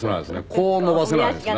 こう伸ばせないんですね。